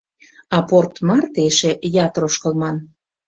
— А порт марте эше ятыр ошкылман...